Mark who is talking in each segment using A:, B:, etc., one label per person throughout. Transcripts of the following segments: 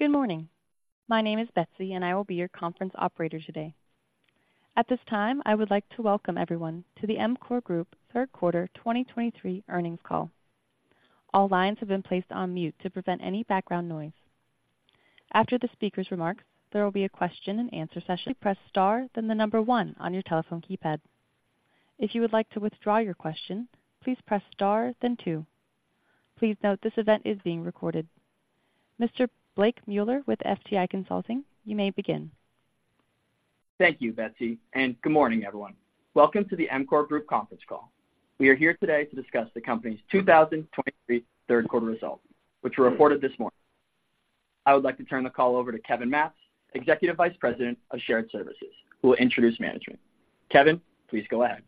A: Good morning. My name is Betsy, and I will be your conference operator today. At this time, I would like to welcome everyone to the EMCOR Group Q3 2023 earnings call. All lines have been placed on mute to prevent any background noise. After the speaker's remarks, there will be a question-and-answer session. Press Star, then the number one on your telephone keypad. If you would like to withdraw your question, please press Star, then two. Please note this event is being recorded. Mr. Blake Mueller with FTI Consulting, you may begin.
B: Thank you, Betsy, and good morning, everyone. Welcome to the EMCOR Group conference call. We are here today to discuss the company's 2023 Q3 results, which were reported this morning. I would like to turn the call over to Kevin Matz, Executive Vice President of Shared Services, who will introduce management. Kevin, please go ahead.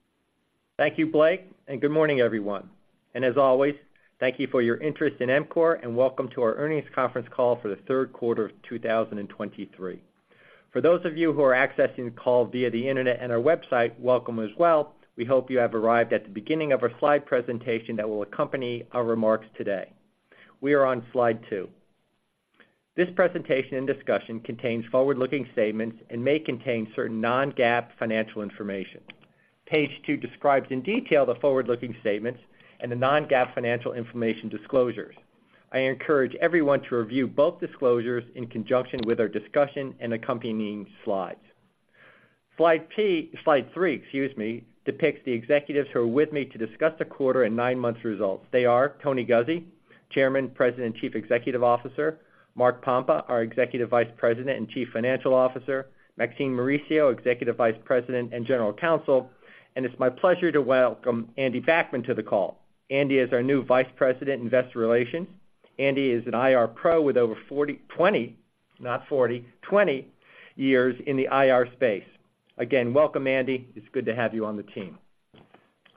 C: Thank you, Blake, and good morning, everyone. And as always, thank you for your interest in EMCOR, and welcome to our earnings conference call for the Q3 of 2023. For those of you who are accessing the call via the Internet and our website, welcome as well. We hope you have arrived at the beginning of our slide presentation that will accompany our remarks today. We are on slide 2. This presentation and discussion contains forward-looking statements and may contain certain non-GAAP financial information. Page 2 describes in detail the forward-looking statements and the non-GAAP financial information disclosures. I encourage everyone to review both disclosures in conjunction with our discussion and accompanying slides. Slide three, excuse me, depicts the executives who are with me to discuss the quarter and 9 months results. They are Tony Guzzi, Chairman, President, and Chief Executive Officer; Mark Pompa, our Executive Vice President and Chief Financial Officer; Maxine Lum Mauricio, Executive Vice President and General Counsel. It's my pleasure to welcome Andy Backman to the call. Andy is our new Vice President, Investor Relations. Andrew is an IR pro with over 20, not 40, 20 years in the IR space. Again, welcome, Andrew. It's good to have you on the team.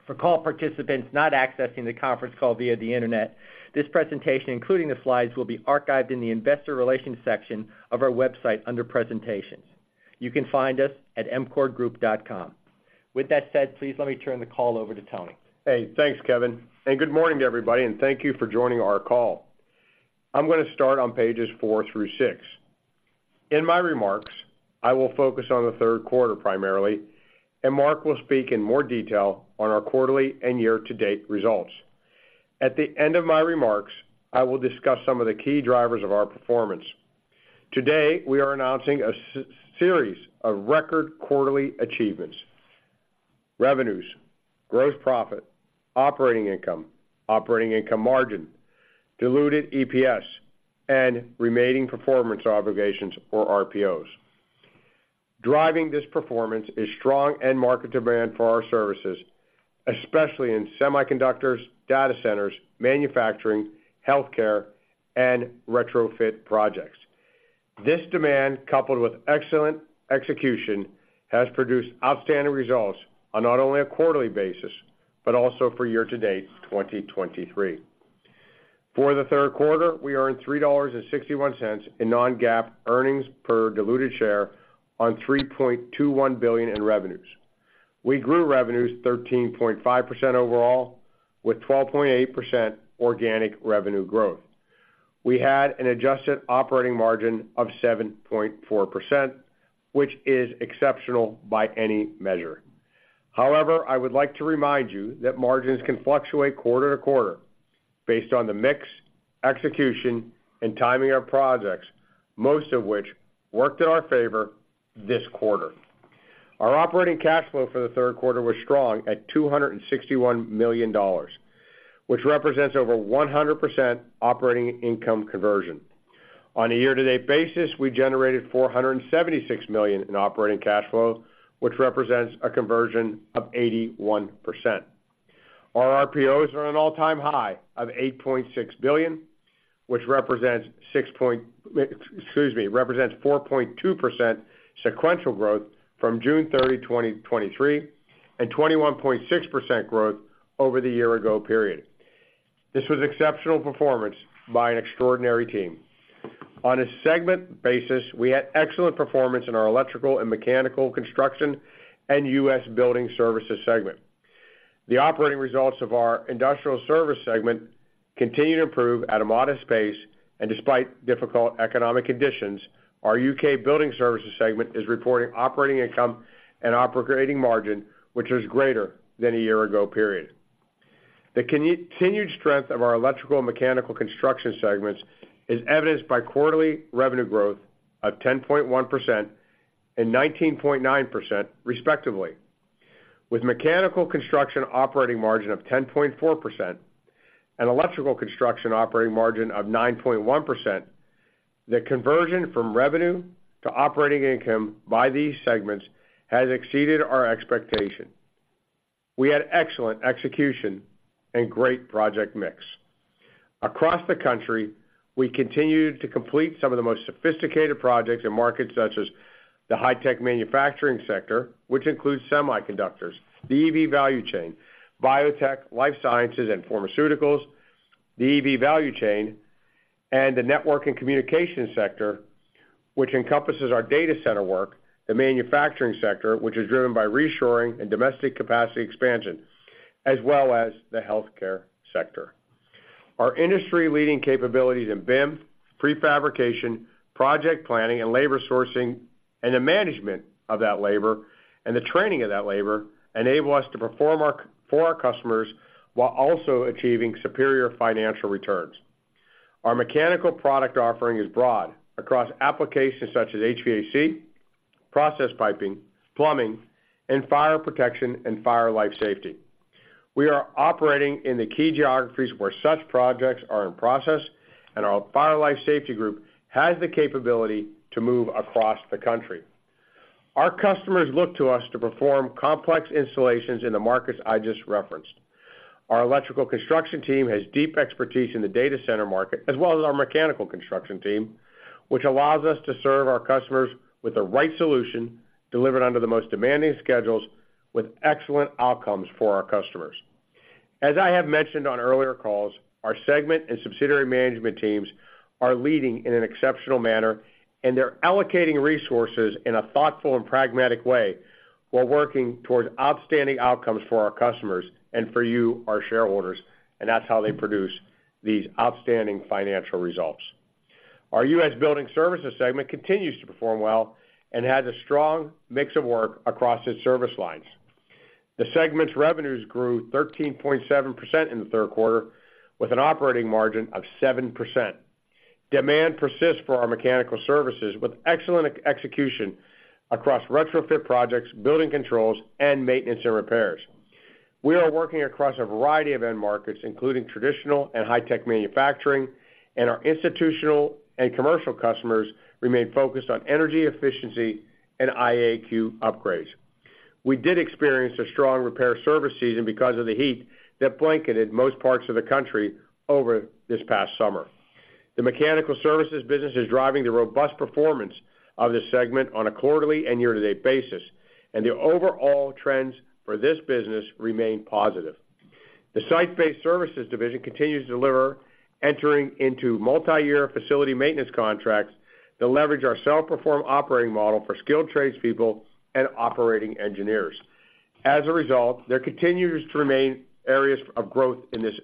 C: For call participants not accessing the conference call via the Internet, this presentation, including the slides, will be archived in the Investor Relations section of our website under presentations. You can find us at emcorgroup.com. With that said, please let me turn the call over to Tony.
D: Hey, thanks, Kevin, and good morning to everybody, and thank you for joining our call. I'm gonna start on pages 4 through 6. In my remarks, I will focus on the Q3 primarily, and Mark will speak in more detail on our quarterly and year-to-date results. At the end of my remarks, I will discuss some of the key drivers of our performance. Today, we are announcing a series of record quarterly achievements, revenues, gross profit, operating income, operating income margin, diluted EPS, and remaining performance obligations, or RPOs. Driving this performance is strong end market demand for our services, especially in semiconductors, data centers, manufacturing, healthcare, and retrofit projects. This demand, coupled with excellent execution, has produced outstanding results on not only a quarterly basis, but also for year-to-date 2023. For the Q3, we are in $3.61 in non-GAAP earnings per diluted share on $3.21 billion in revenues. We grew revenues 13.5% overall, with 12.8% organic revenue growth. We had an adjusted operating margin of 7.4%, which is exceptional by any measure. However, I would like to remind you that margins can fluctuate quarter to quarter based on the mix, execution, and timing of projects, most of which worked in our favor this quarter. Our operating cash flow for the Q3 was strong at $261 million, which represents over 100% operating income conversion. On a year-to-date basis, we generated $476 million in operating cash flow, which represents a conversion of 81%. Our RPOs are an all-time high of $8.6 billion, which represents 4.2% sequential growth from June 30, 2023, and 21.6% growth over the year ago period. This was exceptional performance by an extraordinary team. On a segment basis, we had excellent performance in our electrical and mechanical construction and U.S. building services segment. The operating results of our industrial service segment continue to improve at a modest pace, and despite difficult economic conditions, our UK building services segment is reporting operating income and operating margin, which is greater than a year ago period. The continued strength of our electrical and mechanical construction segments is evidenced by quarterly revenue growth of 10.1% and 19.9%, respectively, with mechanical construction operating margin of 10.4% and electrical construction operating margin of 9.1%. The conversion from revenue to operating income by these segments has exceeded our expectation. We had excellent execution and great project mix. Across the country, we continued to complete some of the most sophisticated projects in markets such as the high-tech manufacturing sector, which includes semiconductors, the EV value chain, biotech, life sciences and pharmaceuticals, the EV value chain, and the network and communication sector, which encompasses our data center work, the manufacturing sector, which is driven by reshoring and domestic capacity expansion, as well as the healthcare sector. Our industry-leading capabilities in BIM, prefabrication, project planning, and labor sourcing, and the management of that labor and the training of that labor, enable us to perform for our customers, while also achieving superior financial returns. Our mechanical product offering is broad across applications such as HVAC, process piping, plumbing, and fire protection and fire life safety. We are operating in the key geographies where such projects are in process, and our fire life safety group has the capability to move across the country. Our customers look to us to perform complex installations in the markets I just referenced. Our electrical construction team has deep expertise in the data center market, as well as our mechanical construction team, which allows us to serve our customers with the right solution, delivered under the most demanding schedules, with excellent outcomes for our customers. As I have mentioned on earlier calls, our segment and subsidiary management teams are leading in an exceptional manner, and they're allocating resources in a thoughtful and pragmatic way, while working towards outstanding outcomes for our customers and for you, our shareholders, and that's how they produce these outstanding financial results. Our US building services segment continues to perform well and has a strong mix of work across its service lines. The segment's revenues grew 13.7% in the Q3, with an operating margin of 7%. Demand persists for our mechanical services, with excellent execution across retrofit projects, building controls, and maintenance and repairs. We are working across a variety of end markets, including traditional and high-tech manufacturing, and our institutional and commercial customers remain focused on energy efficiency and IAQ upgrades. We did experience a strong repair service season because of the heat that blanketed most parts of the country over this past summer. The mechanical services business is driving the robust performance of this segment on a quarterly and year-to-date basis, and the overall trends for this business remain positive. The site-based services division continues to deliver, entering into multiyear facility maintenance contracts that leverage our self-performed operating model for skilled tradespeople and operating engineers. As a result, there continue to remain opportunities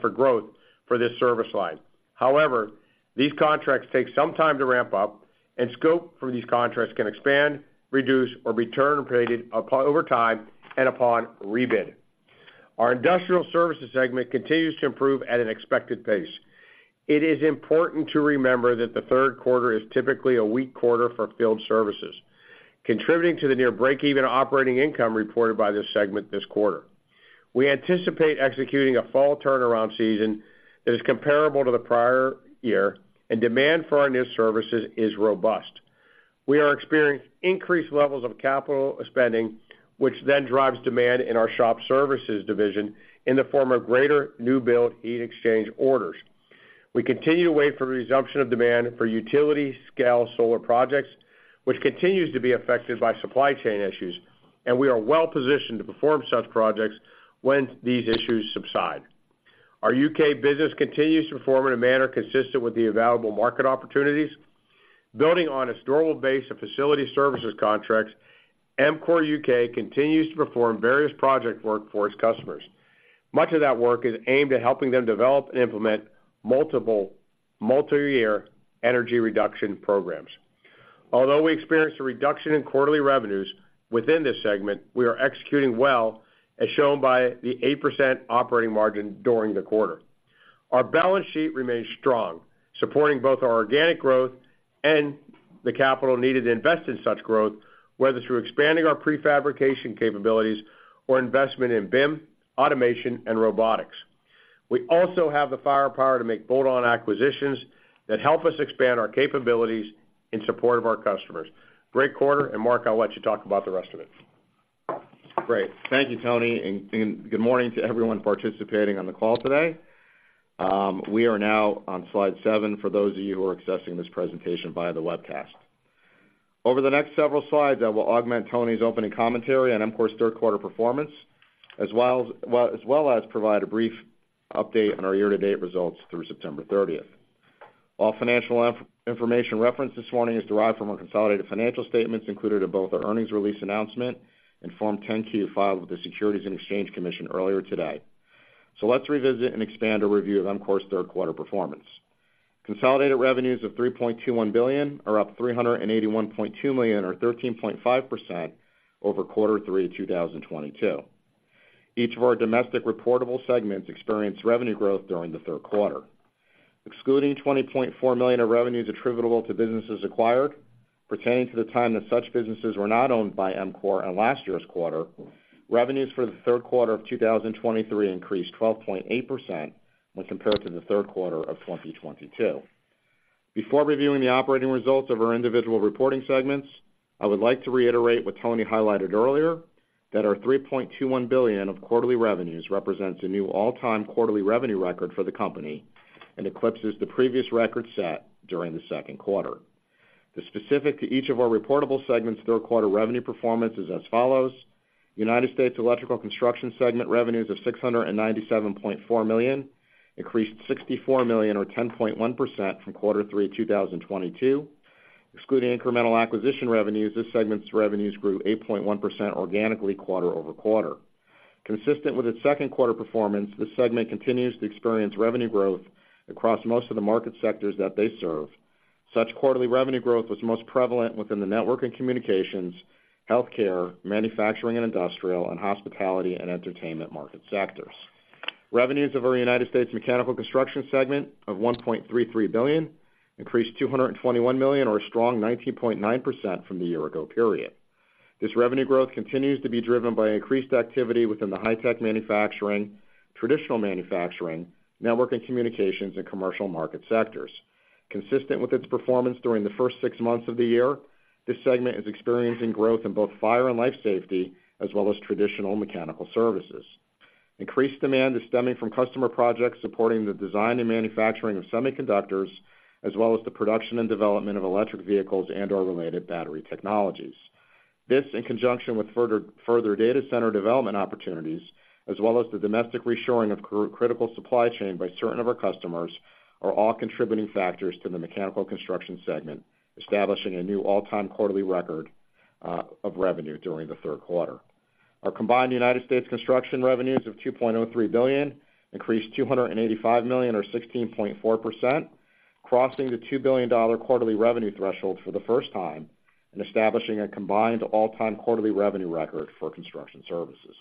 D: for growth for this service line. However, these contracts take some time to ramp up, and scope for these contracts can expand, reduce, or be terminated over time and upon rebid. Our industrial services segment continues to improve at an expected pace. It is important to remember that the Q3 is typically a weak quarter for field services, contributing to the near break-even operating income reported by this segment this quarter. We anticipate executing a fall turnaround season that is comparable to the prior year, and demand for our new services is robust. We are experiencing increased levels of capital spending, which then drives demand in our shop services division in the form of greater new build heat exchange orders. We continue to wait for a resumption of demand for utility-scale solar projects, which continues to be affected by supply chain issues, and we are well positioned to perform such projects when these issues subside. Our UK business continues to perform in a manner consistent with the available market opportunities. Building on its durable base of facility services contracts, EMCOR UK continues to perform various project work for its customers. Much of that work is aimed at helping them develop and implement multiple, multiyear energy reduction programs. Although we experienced a reduction in quarterly revenues within this segment, we are executing well, as shown by the 8% operating margin during the quarter. Our balance sheet remains strong, supporting both our organic growth and the capital needed to invest in such growth, whether through expanding our prefabrication capabilities or investment in BIM, automation, and robotics. We also have the firepower to make bolt-on acquisitions that help us expand our capabilities in support of our customers. Great quarter, and Mark, I'll let you talk about the rest of it.
E: Great. Thank you, Tony, and good morning to everyone participating on the call today. We are now on slide 7 for those of you who are accessing this presentation via the webcast. Over the next several slides, I will augment Tony's opening commentary on EMCOR's Q3 performance, as well as provide a brief update on our year-to-date results through September 30. All financial information referenced this morning is derived from our consolidated financial statements included in both our earnings release announcement and Form 10-K filed with the Securities and Exchange Commission earlier today. Let's revisit and expand our review of EMCOR's Q3 performance. Consolidated revenues of $3.21 billion are up $381.2 million, or 13.5%, over quarter three of 2022. Each of our domestic reportable segments experienced revenue growth during the Q3. Excluding $20.4 million of revenues attributable to businesses acquired, pertaining to the time that such businesses were not owned by EMCOR in last year's quarter, revenues for the Q3 of 2023 increased 12.8% when compared to the Q3 of 2022. Before reviewing the operating results of our individual reporting segments, I would like to reiterate what Tony highlighted earlier, that our $3.21 billion of quarterly revenues represents a new all-time quarterly revenue record for the company and eclipses the previous record set during the Q2. Specific to each of our reportable segments, Q3 revenue performance is as follows: United States Electrical Construction segment revenues of $697.4 million, increased $64 million or 10.1% from quarter three, 2022. Excluding incremental acquisition revenues, this segment's revenues grew 8.1% organically quarter-over-quarter. Consistent with its Q2 performance, this segment continues to experience revenue growth across most of the market sectors that they serve. Such quarterly revenue growth was most prevalent within the network and communications, healthcare, manufacturing and industrial, and hospitality and entertainment market sectors. Revenues of our United States Mechanical Construction segment of $1.33 billion, increased $221 million, or a strong 19.9% from the year-ago period. This revenue growth continues to be driven by increased activity within the high tech manufacturing, traditional manufacturing, network and communications, and commercial market sectors. Consistent with its performance during the first six months of the year, this segment is experiencing growth in both fire and life safety, as well as traditional mechanical services. Increased demand is stemming from customer projects supporting the design and manufacturing of semiconductors, as well as the production and development of electric vehicles and or related battery technologies. This, in conjunction with further data center development opportunities, as well as the domestic reshoring of critical supply chain by certain of our customers, are all contributing factors to the mechanical construction segment, establishing a new all-time quarterly record of revenue during the Q3. Our combined United States construction revenues of $2.03 billion increased $285 million, or 16.4%, crossing the $2 billion quarterly revenue threshold for the first time and establishing a combined all-time quarterly revenue record for construction services.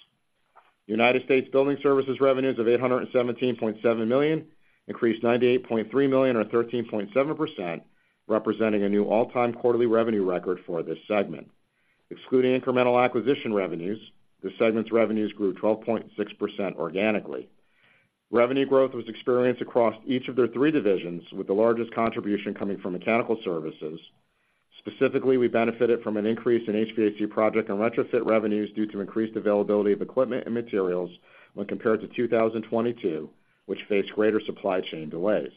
E: United States Building Services revenues of $817.7 million increased $98.3 million, or 13.7%, representing a new all-time quarterly revenue record for this segment. Excluding incremental acquisition revenues, this segment's revenues grew 12.6% organically. Revenue growth was experienced across each of their three divisions, with the largest contribution coming from mechanical services. Specifically, we benefited from an increase in HVAC project and retrofit revenues due to increased availability of equipment and materials when compared to 2022, which faced greater supply chain delays.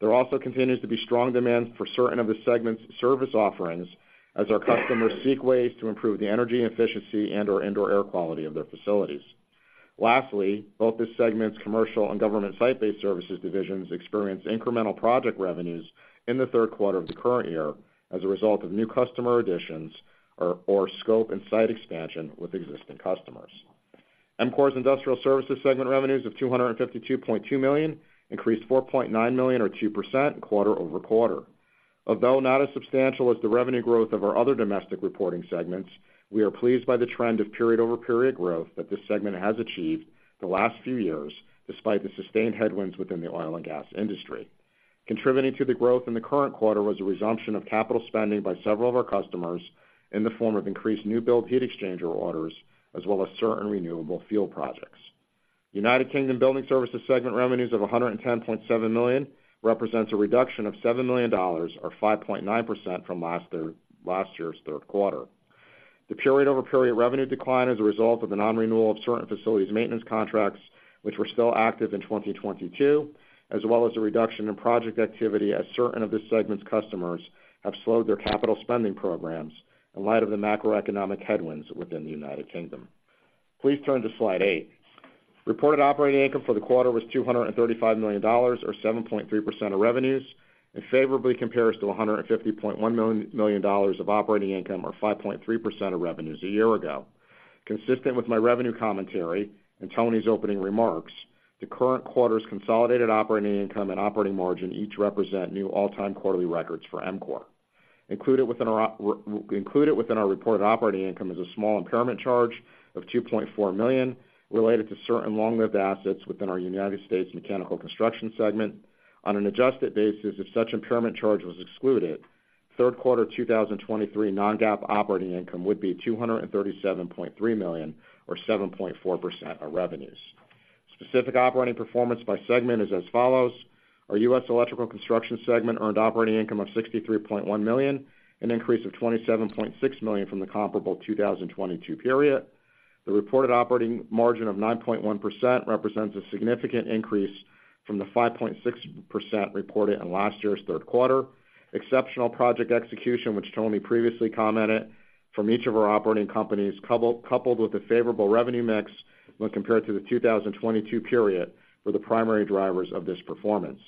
E: There also continues to be strong demand for certain of the segment's service offerings as our customers seek ways to improve the energy efficiency and or indoor air quality of their facilities. Lastly, both this segment's commercial and government site-based services divisions experienced incremental project revenues in the Q3 of the current year as a result of new customer additions or scope and site expansion with existing customers. EMCOR's Industrial Services segment revenues of $252.2 million increased $4.9 million, or 2%, quarter-over-quarter. Although not as substantial as the revenue growth of our other domestic reporting segments, we are pleased by the trend of period-over-period growth that this segment has achieved the last few years, despite the sustained headwinds within the oil and gas industry. Contributing to the growth in the current quarter was a resumption of capital spending by several of our customers in the form of increased new build heat exchanger orders, as well as certain renewable fuel projects. United Kingdom building services segment revenues of $110.7 million represents a reduction of $7 million, or 5.9%, from last year, last year's Q3. The period-over-period revenue decline is a result of the non-renewal of certain facilities maintenance contracts, which were still active in 2022, as well as a reduction in project activity, as certain of this segment's customers have slowed their capital spending programs in light of the macroeconomic headwinds within the United Kingdom. Please turn to Slide 8. Reported operating income for the quarter was $235 million, or 7.3% of revenues, and favorably compares to $150.1 million of operating income, or 5.3% of revenues a year ago. Consistent with my revenue commentary and Tony's opening remarks, the current quarter's consolidated operating income and operating margin each represent new all-time quarterly records for EMCOR. Included within our reported operating income is a small impairment charge of $2.4 million, related to certain long-lived assets within our United States mechanical construction segment. On an adjusted basis, if such impairment charge was excluded, Q3 2023 non-GAAP operating income would be $237.3 million, or 7.4% of revenues. Specific operating performance by segment is as follows. Our US electrical construction segment earned operating income of $63.1 million, an increase of $27.6 million from the comparable 2022 period. The reported operating margin of 9.1% represents a significant increase from the 5.6% reported in last year's Q3. Exceptional project execution, which Tony previously commented, from each of our operating companies, coupled with a favorable revenue mix when compared to the 2022 period, were the primary drivers of this performance.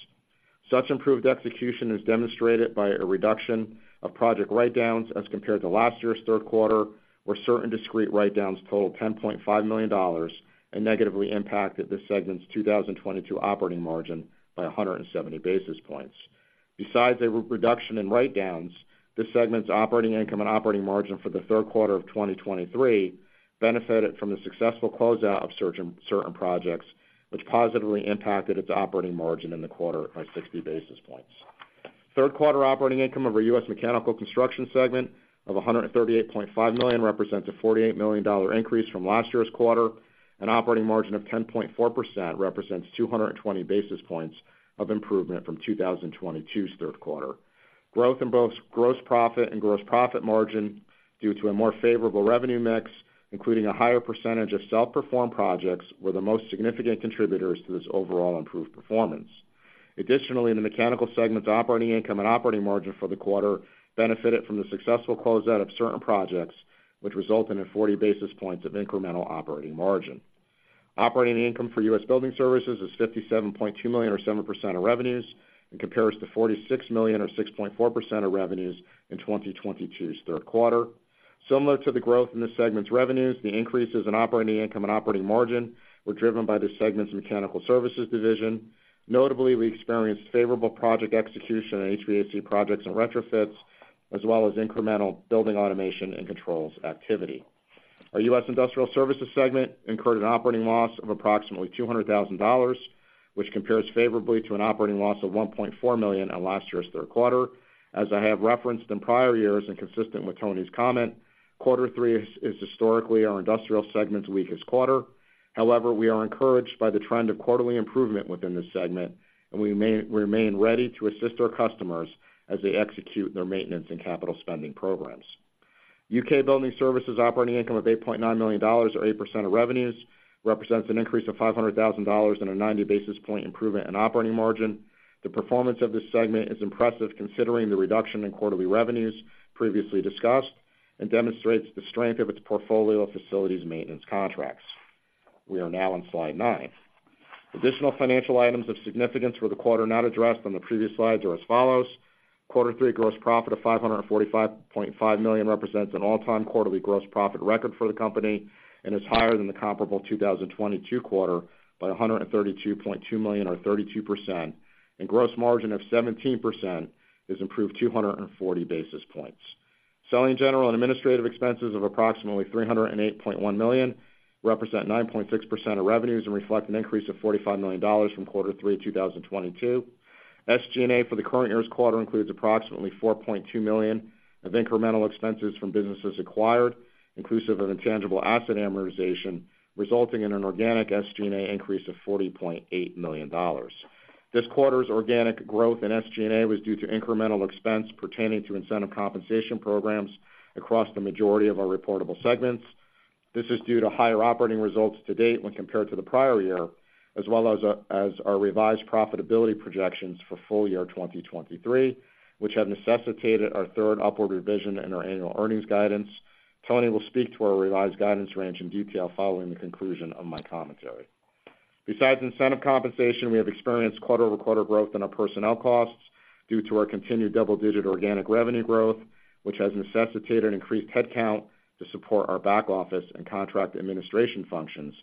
E: Such improved execution is demonstrated by a reduction of project write-downs as compared to last year's Q3, where certain discrete write-downs totaled $10.5 million and negatively impacted this segment's 2022 operating margin by 170 basis points. Besides a reduction in write-downs, this segment's operating income and operating margin for the Q3 of 2023 benefited from the successful closeout of certain projects, which positively impacted its operating margin in the quarter by 60 basis points. Q3 operating income of our U.S. Mechanical Construction segment of $138.5 million represents a $48 million increase from last year's quarter, and operating margin of 10.4% represents 220 basis points of improvement from 2022's Q3. Growth in both gross profit and gross profit margin due to a more favorable revenue mix, including a higher percentage of self-performed projects, were the most significant contributors to this overall improved performance. Additionally, in the mechanical segment's operating income and operating margin for the quarter benefited from the successful closeout of certain projects, which resulted in 40 basis points of incremental operating margin. Operating income for US Building Services is $57.2 million, or 7% of revenues, and compares to $46 million, or 6.4% of revenues in 2022's Q3. Similar to the growth in this segment's revenues, the increases in operating income and operating margin were driven by the segment's mechanical services division. Notably, we experienced favorable project execution in HVAC projects and retrofits, as well as incremental building automation and controls activity. Our US Industrial Services segment incurred an operating loss of approximately $200,000, which compares favorably to an operating loss of $1.4 million in last year's Q3. As I have referenced in prior years, and consistent with Tony's comment, quarter three is historically our Industrial segment's weakest quarter. However, we are encouraged by the trend of quarterly improvement within this segment, and we remain ready to assist our customers as they execute their maintenance and capital spending programs. UK building services operating income of $8.9 million, or 8% of revenues, represents an increase of $500,000 and a 90 basis point improvement in operating margin. The performance of this segment is impressive, considering the reduction in quarterly revenues previously discussed, and demonstrates the strength of its portfolio of facilities maintenance contracts. We are now on Slide 9. Additional financial items of significance for the quarter not addressed on the previous slides are as follows: quarter three gross profit of $545.5 million represents an all-time quarterly gross profit record for the company and is higher than the comparable 2022 quarter by $132.2 million, or 32%, and gross margin of 17% has improved 240 basis points. Selling, general, and administrative expenses of approximately $308.1 million represent 9.6% of revenues and reflect an increase of $45 million from quarter three of 2022. SG&A for the current year's quarter includes approximately $4.2 million of incremental expenses from businesses acquired, inclusive of intangible asset amortization, resulting in an organic SG&A increase of $40.8 million. This quarter's organic growth in SG&A was due to incremental expense pertaining to incentive compensation programs across the majority of our reportable segments. This is due to higher operating results to date when compared to the prior year, as well as, as our revised profitability projections for full year 2023, which have necessitated our third upward revision in our annual earnings guidance. Tony will speak to our revised guidance range in detail following the conclusion of my commentary. Besides incentive compensation, we have experienced quarter-over-quarter growth in our personnel costs due to our continued double-digit organic revenue growth, which has necessitated increased headcount to support our back office and contract administration functions,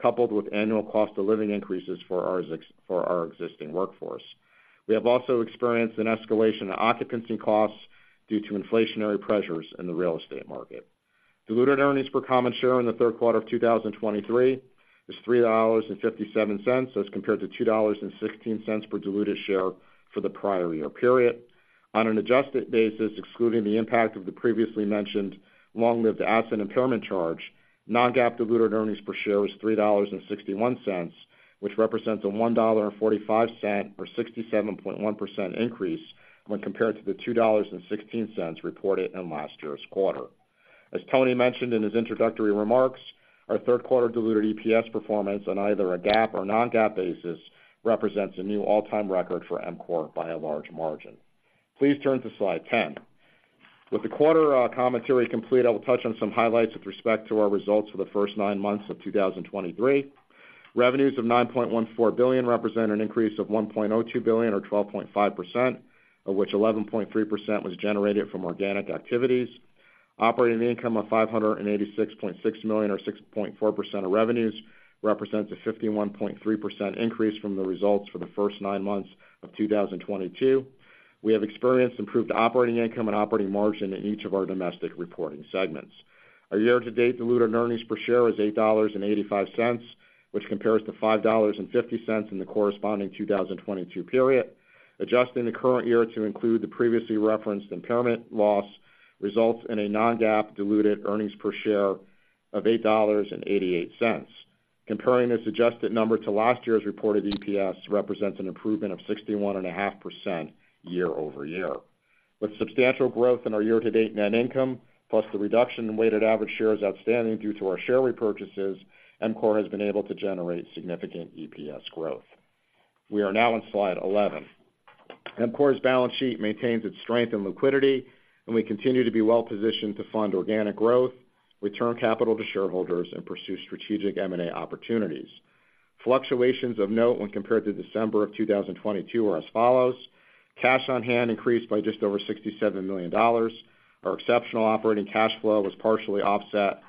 E: coupled with annual cost of living increases for our existing workforce. We have also experienced an escalation in occupancy costs due to inflationary pressures in the real estate market. Diluted earnings per common share in the Q3 of 2023 is $3.57, as compared to $2.16 per diluted share for the prior year period. On an adjusted basis, excluding the impact of the previously mentioned long-lived asset impairment charge, non-GAAP diluted earnings per share was $3.61, which represents a $1.45, or 67.1% increase when compared to the $2.16 reported in last year's quarter. As Tony mentioned in his introductory remarks, our Q3 diluted EPS performance on either a GAAP or non-GAAP basis represents a new all-time record for EMCOR by a large margin. Please turn to Slide 10. With the quarter commentary complete, I will touch on some highlights with respect to our results for the first nine months of 2023. Revenues of $9.14 billion represent an increase of $1.02 billion, or 12.5%, of which 11.3% was generated from organic activities. Operating income of $586.6 million, or 6.4% of revenues, represents a 51.3% increase from the results for the first nine months of 2022. We have experienced improved operating income and operating margin in each of our domestic reporting segments. Our year-to-date diluted earnings per share is $8.85, which compares to $5.50 in the corresponding 2022 period. Adjusting the current year to include the previously referenced impairment loss, results in a non-GAAP diluted earnings per share of $8.88. Comparing this adjusted number to last year's reported EPS represents an improvement of 61.5% year-over-year. With substantial growth in our year-to-date net income, plus the reduction in weighted average shares outstanding due to our share repurchases, EMCOR has been able to generate significant EPS growth. We are now on Slide 11. EMCOR's balance sheet maintains its strength and liquidity, and we continue to be well-positioned to fund organic growth, return capital to shareholders, and pursue strategic M&A opportunities. Fluctuations of note when compared to December 2022 are as follows: cash on hand increased by just over $67 million. Our exceptional operating cash flow was partially offset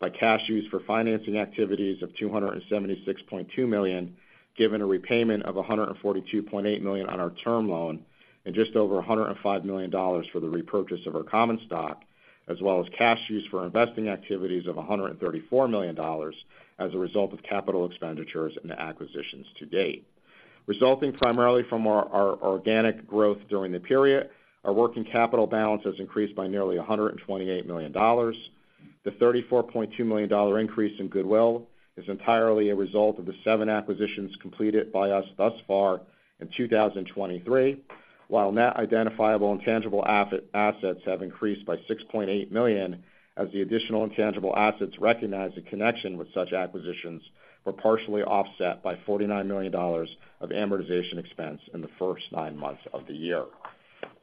E: by cash used for financing activities of $276.2 million, given a repayment of $142.8 million on our term loan and just over $105 million for the repurchase of our common stock, as well as cash used for investing activities of $134 million as a result of capital expenditures and acquisitions to date. Resulting primarily from our organic growth during the period, our working capital balance has increased by nearly $128 million. The $34.2 million increase in goodwill is entirely a result of the 7 acquisitions completed by us thus far in 2023. While net identifiable and tangible assets have increased by $6.8 million, as the additional intangible assets recognized in connection with such acquisitions were partially offset by $49 million of amortization expense in the first nine months of the year.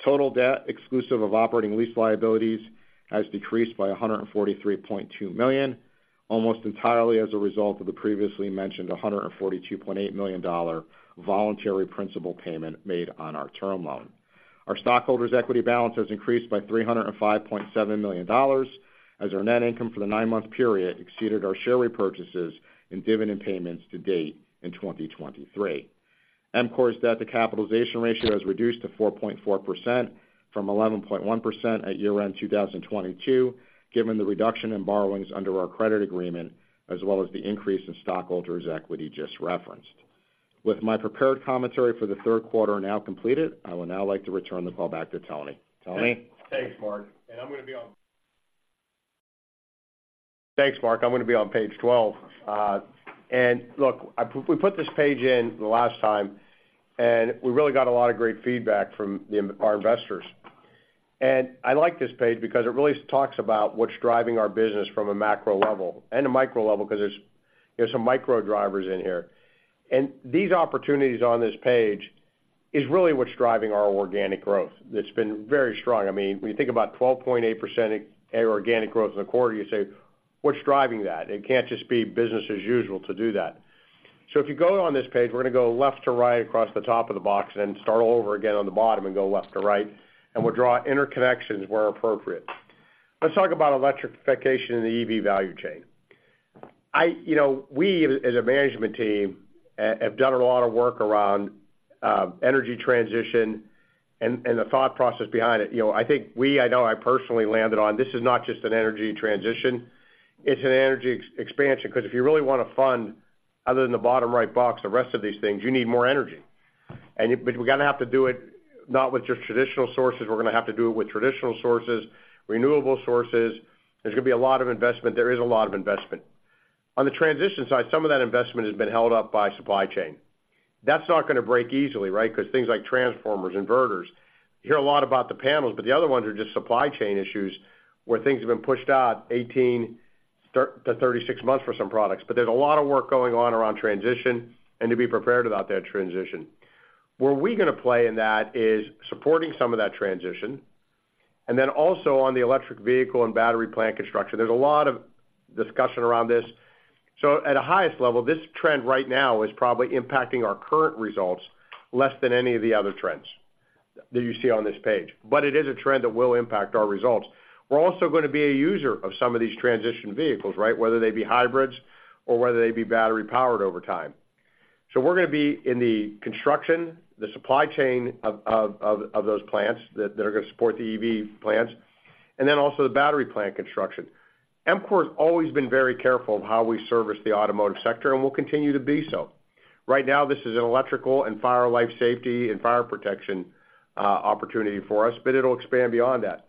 E: Total debt, exclusive of operating lease liabilities, has decreased by $143.2 million, almost entirely as a result of the previously mentioned $142.8 million voluntary principal payment made on our term loan. Our stockholders' equity balance has increased by $305.7 million, as our net income for the nine-month period exceeded our share repurchases and dividend payments to date in 2023. EMCOR's debt to capitalization ratio has reduced to 4.4% from 11.1% at year-end 2022, given the reduction in borrowings under our credit agreement, as well as the increase in stockholders' equity just referenced. With my prepared commentary for the Q3 now completed, I would now like to return the call back to Tony. Tony?
D: Thanks, Mark. I'm gonna be on page 12. Look, we put this page in the last time, and we really got a lot of great feedback from our investors. I like this page because it really talks about what's driving our business from a macro level and a micro level, because there's some micro drivers in here. These opportunities on this page is really what's driving our organic growth. That's been very strong. I mean, when you think about 12.8% organic growth in the quarter, you say, what's driving that? It can't just be business as usual to do that. So if you go on this page, we're gonna go left to right across the top of the box and then start all over again on the bottom and go left to right, and we'll draw interconnections where appropriate. Let's talk about electrification in the EV Value Chain. You know, we, as a management team, have done a lot of work around energy transition and, and the thought process behind it. You know, I think we, I know I personally landed on, this is not just an energy transition, it's an energy expansion, because if you really want to fund, other than the bottom right box, the rest of these things, you need more energy. But we're gonna have to do it not with just traditional sources, we're gonna have to do it with traditional sources, renewable sources. There's gonna be a lot of investment. There is a lot of investment. On the transition side, some of that investment has been held up by supply chain. That's not gonna break easily, right? Because things like transformers, inverters. You hear a lot about the panels, but the other ones are just supply chain issues, where things have been pushed out 18-36 months for some products. But there's a lot of work going on around transition and to be prepared about that transition. Where we gonna play in that is supporting some of that transition, and then also on the electric vehicle and battery plant construction. There's a lot of discussion around this. So at the highest level, this trend right now is probably impacting our current results less than any of the other trends that you see on this page. But it is a trend that will impact our results. We're also gonna be a user of some of these transition vehicles, right? Whether they be hybrids or whether they be battery-powered over time. So we're gonna be in the construction, the supply chain of those plants that are gonna support the EV plants, and then also the battery plant construction. EMCOR's always been very careful of how we service the automotive sector, and we'll continue to be so. Right now, this is an electrical and fire life safety and fire protection opportunity for us, but it'll expand beyond that.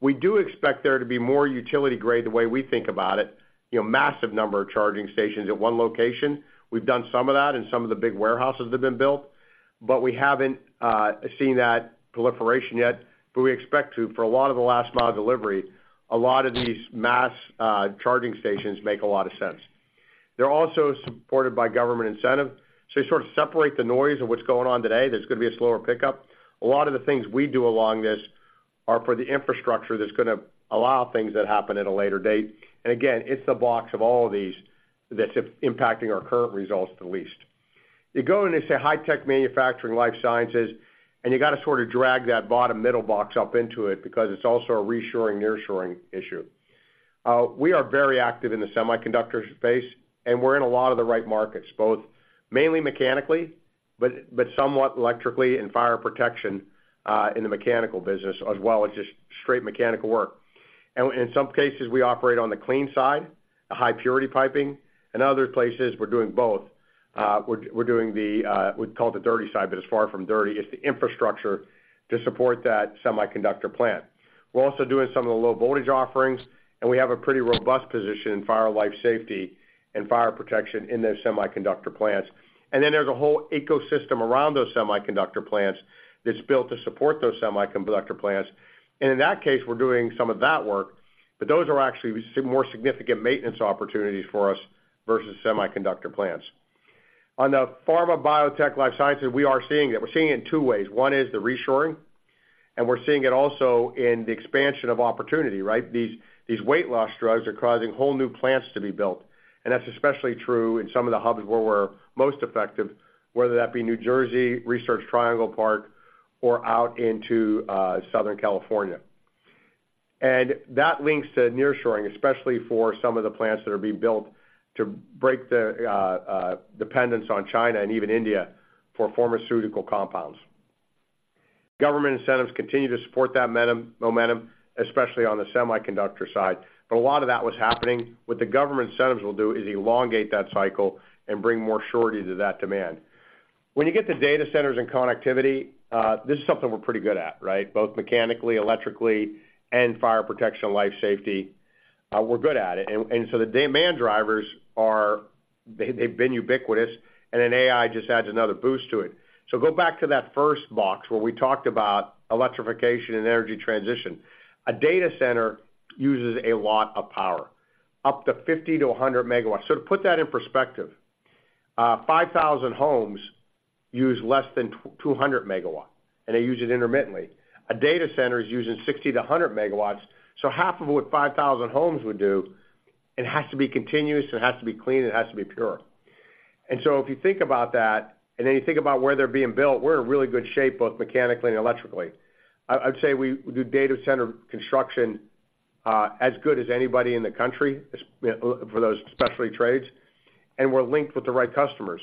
D: We do expect there to be more utility-grade, the way we think about it, massive number of charging stations at one location. We've done some of that in some of the big warehouses that have been built, but we haven't seen that proliferation yet, but we expect to. For a lot of the last mile delivery, a lot of these mass charging stations make a lot of sense. They're also supported by government incentive, so you sort of separate the noise of what's going on today, there's gonna be a slower pickup. A lot of the things we do along this are for the infrastructure that's gonna allow things that happen at a later date. And again, it's the box of all of these that's impacting our current results the least. You go into, say, high tech manufacturing, life sciences, and you got to sort of drag that bottom middle box up into it because it's also a reshoring, nearshoring issue. We are very active in the semiconductors space, and we're in a lot of the right markets, both mainly mechanically, but somewhat electrically and fire protection, in the mechanical business, as well as just straight mechanical work. In some cases, we operate on the clean side, the high purity piping, and other places, we're doing both. We're doing the, we call it the dirty side, but it's far from dirty. It's the infrastructure to support that semiconductor plant. We're also doing some of the low voltage offerings, and we have a pretty robust position in fire life safety and fire protection in those semiconductor plants. And then there's a whole ecosystem around those semiconductor plants that's built to support those semiconductor plants. And in that case, we're doing some of that work, but those are actually more significant maintenance opportunities for us versus semiconductor plants. On the pharma, biotech, life sciences, we are seeing it. We're seeing it in two ways. One is the reshoring, and we're seeing it also in the expansion of opportunity, right? These, these weight loss drugs are causing whole new plants to be built, and that's especially true in some of the hubs where we're most effective, whether that be New Jersey, Research Triangle Park, or out into Southern California. And that links to nearshoring, especially for some of the plants that are being built to break the dependence on China and even India for pharmaceutical compounds. Government incentives continue to support that momentum, especially on the semiconductor side, but a lot of that was happening. What the government incentives will do is elongate that cycle and bring more surety to that demand. When you get to data centers and connectivity, this is something we're pretty good at, right? Both mechanically, electrically, and fire protection, life safety. We're good at it. And so the demand drivers are they've been ubiquitous, and then AI just adds another boost to it. So go back to that first box, where we talked about electrification and energy transition. A data center uses a lot of power, up to 50-100 MW. So to put that in perspective, 5,000 homes use less than 200 MW, and they use it intermittently. A data center is using 60-100 MW, so half of what 5,000 homes would do, and it has to be continuous, it has to be clean, it has to be pure. So if you think about that, and then you think about where they're being built, we're in really good shape, both mechanically and electrically. I'd say we do data center construction as good as anybody in the country for those specialty trades, and we're linked with the right customers.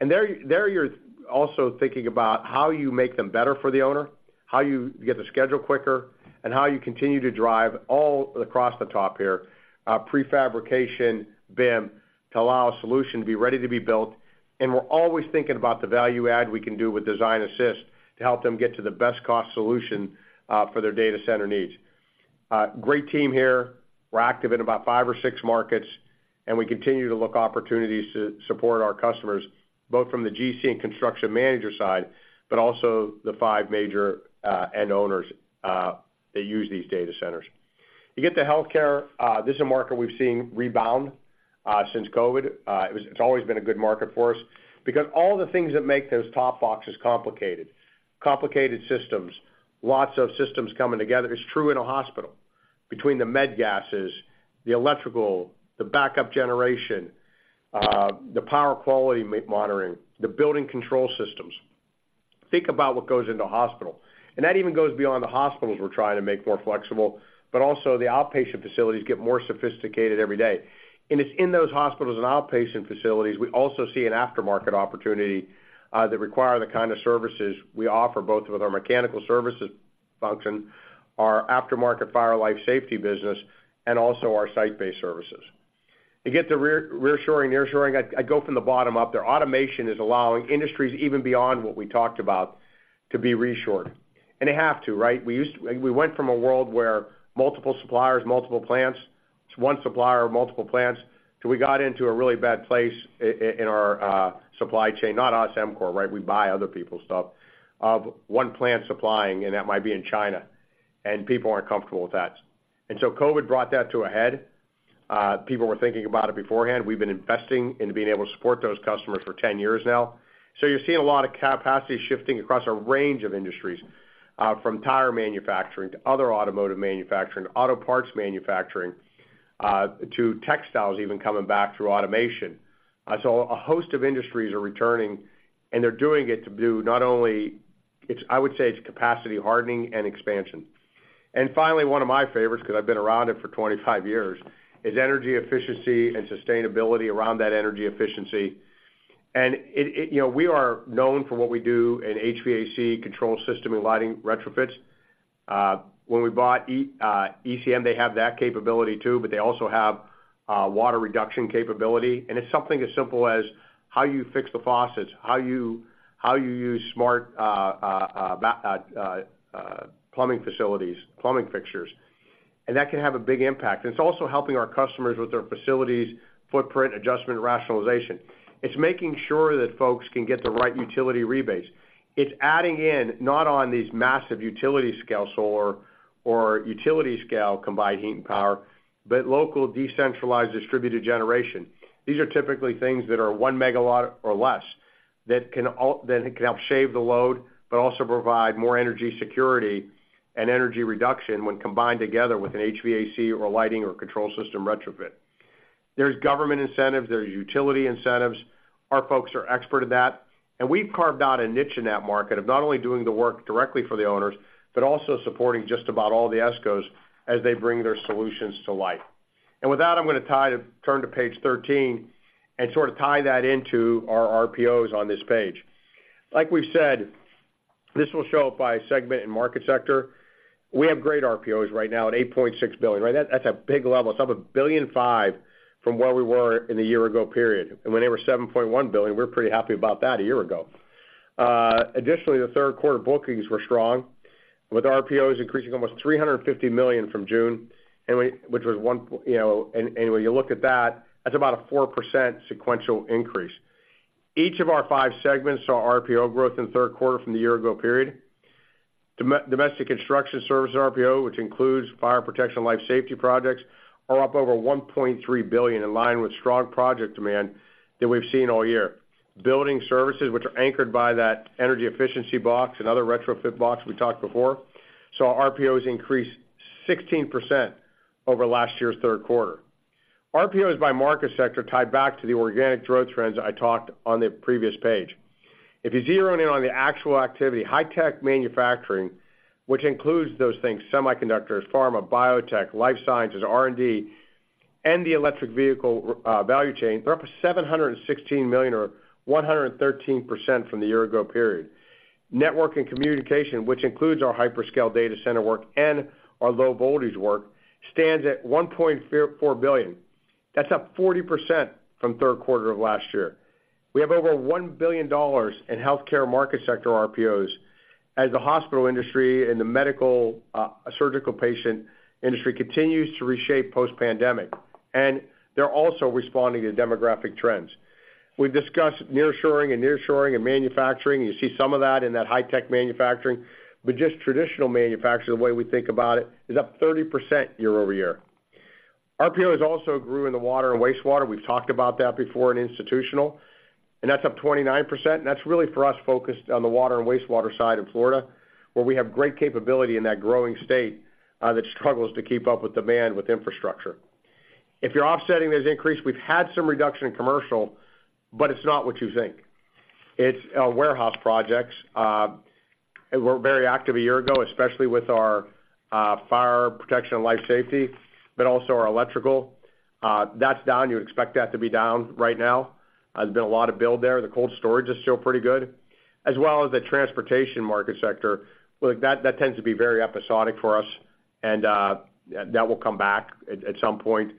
D: There you're also thinking about how you make them better for the owner, how you get the schedule quicker, and how you continue to drive all across the top here, prefabrication, BIM, to allow a solution to be ready to be built. And we're always thinking about the value add we can do with Design Assist to help them get to the best cost solution, for their data center needs. Great team here. We're active in about five or six markets, and we continue to look opportunities to support our customers, both from the GC and construction manager side, but also the five major, end owners, that use these data centers. You get to healthcare, this is a market we've seen rebound, since COVID. It's always been a good market for us because all the things that make those top boxes complicated, complicated systems, lots of systems coming together, is true in a hospital, between the med gases, the electrical, the backup generation, the power quality monitoring, the building control systems. Think about what goes into a hospital. And that even goes beyond the hospitals we're trying to make more flexible, but also the outpatient facilities get more sophisticated every day. And it's in those hospitals and outpatient facilities, we also see an aftermarket opportunity that require the kind of services we offer, both with our mechanical services function, our aftermarket fire life safety business, and also our site-based services. You get to reshoring, nearshoring, I go from the bottom up there. Automation is allowing industries even beyond what we talked about, to be reshoring. And they have to, right? We used to. We went from a world where multiple suppliers, multiple plants, to one supplier, multiple plants, till we got into a really bad place in our supply chain, not us, EMCOR, right? We buy other people's stuff. Of one plant supplying, and that might be in China, and people aren't comfortable with that. And so COVID brought that to a end. People were thinking about it beforehand. We've been investing in being able to support those customers for 10 years now. So you're seeing a lot of capacity shifting across a range of industries, from tire manufacturing to other automotive manufacturing, auto parts manufacturing, to textiles, even coming back through automation. So a host of industries are returning, and they're doing it to do not only, it's, I would say, it's capacity hardening and expansion. And finally, one of my favorites, because I've been around it for 25 years, is energy efficiency and sustainability around that energy efficiency. And it, it, you know, we are known for what we do in HVAC, control system, and lighting retrofits. When we bought EMCOR, they have that capability too, but they also have water reduction capability, and it's something as simple as how you fix the faucets, how you use smart plumbing facilities, plumbing fixtures, and that can have a big impact. It's also helping our customers with their facilities' footprint, adjustment, rationalization. It's making sure that folks can get the right utility rebates. It's adding in, not on these massive utility scale solar or utility scale combined heat and power, but local, decentralized, distributed generation. These are typically things that are 1 megawatt or less, that can help shave the load, but also provide more energy security and energy reduction when combined together with an HVAC or lighting or control system retrofit. There's government incentives, there's utility incentives. Our folks are expert in that, and we've carved out a niche in that market of not only doing the work directly for the owners, but also supporting just about all the ESCOs as they bring their solutions to life. With that, I'm gonna turn to page 13, and sort of tie that into our RPOs on this page. Like we've said, this will show up by segment and market sector. We have great RPOs right now at $8.6 billion, right? That's a big level. It's up $1.5 billion from where we were in the year ago period. And when they were $7.1 billion, we were pretty happy about that a year ago. Additionally, the Q3 bookings were strong, with RPOs increasing almost $350 million from June, and when you look at that, that's about a 4% sequential increase. Each of our five segments saw RPO growth in the Q3 from the year ago period. Domestic construction services RPO, which includes fire protection, life safety projects, are up over $1.3 billion, in line with strong project demand that we've seen all year. Building services, which are anchored by that energy efficiency box and other retrofit box we talked before, saw RPOs increase 16% over last year's Q3. RPOs by market sector tied back to the organic growth trends I talked on the previous page. If you zero in on the actual activity, high-tech manufacturing, which includes those things, semiconductors, pharma, biotech, life sciences, R&D, and the electric vehicle value chain, they're up to $716 million, or 113% from the year ago period. Network and communication, which includes our hyperscale data center work and our low voltage work, stands at $1.4 billion. That's up 40% from Q3 of last year. We have over $1 billion in healthcare market sector RPOs, as the hospital industry and the medical surgical patient industry continues to reshape post-pandemic, and they're also responding to demographic trends. We've discussed nearshoring and nearshoring and manufacturing, and you see some of that in that high-tech manufacturing, but just traditional manufacturing, the way we think about it, is up 30% year-over-year. RPOs also grew in the water and wastewater. We've talked about that before in institutional, and that's up 29%, and that's really, for us, focused on the water and wastewater side in Florida, where we have great capability in that growing state that struggles to keep up with demand with infrastructure. If you're offsetting this increase, we've had some reduction in commercial, but it's not what you think. It's warehouse projects. And we're very active a year ago, especially with our fire protection and life safety, but also our electrical. That's down. You expect that to be down right now. There's been a lot of build there. The cold storage is still pretty good, as well as the transportation market sector. Well, that tends to be very episodic for us, and that will come back at some point,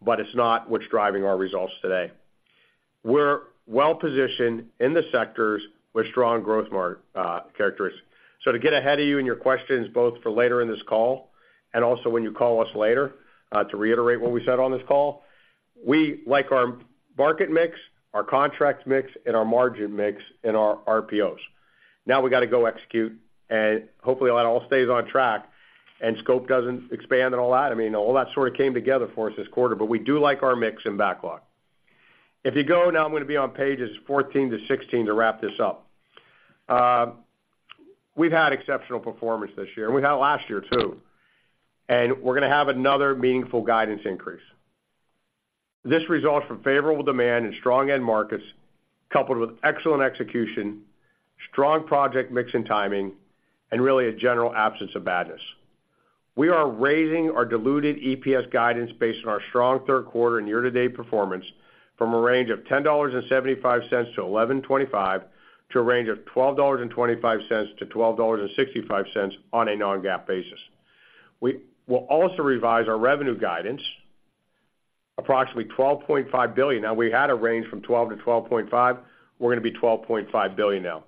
D: but it's not what's driving our results today. We're well positioned in the sectors with strong growth market characteristics. So to get ahead of you and your questions, both for later in this call and also when you call us later, to reiterate what we said on this call, we like our market mix, our contract mix, and our margin mix, and our RPOs. Now we got to go execute, and hopefully, that all stays on track and scope doesn't expand and all that. I mean, all that sort of came together for us this quarter, but we do like our mix and backlog. If you go, now I'm going to be on pages 14-16 to wrap this up. We've had exceptional performance this year, and we had last year, too, and we're gonna have another meaningful guidance increase. This results from favorable demand and strong end markets, coupled with excellent execution, strong project mix and timing, and really a general absence of badness. We are raising our diluted EPS guidance based on our strong Q3 and year-to-date performance from a range of $10.75-$11.25 to a range of $12.25-$12.65 on a non-GAAP basis. We will also revise our revenue guidance, approximately $12.5 billion. Now, we had a range from $12 billion to $12.5 billion. We're gonna be $12.5 billion now.